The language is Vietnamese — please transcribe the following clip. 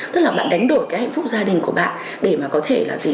tức là bạn đánh đổi cái hạnh phúc gia đình của bạn để mà có thể là gì